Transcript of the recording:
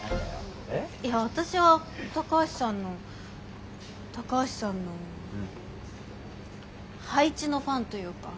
いや私は高橋さんの高橋さんの配置のファンというか。